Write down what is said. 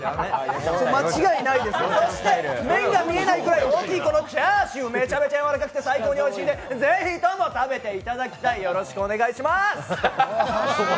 間違いないです、そして麺が見えないくらい大きいこのチャーシューめちゃめちゃやわらかくて最高においしいのでぜひとも食べていただきたい、よろしくお願いしまーす！